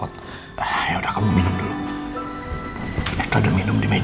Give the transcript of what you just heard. tapi mereka suka